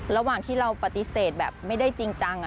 ระหว่างที่เราปฏิเสธแบบไม่ได้จริงจัง